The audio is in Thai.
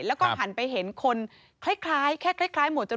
แล้วก็หันไปเห็นคนแค่หมวดจรูน